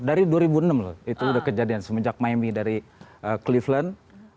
dari dua ribu enam loh itu udah kejadian semenjak mymi dari cleveland